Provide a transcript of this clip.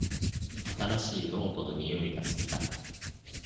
新しいノートの匂いが好きだ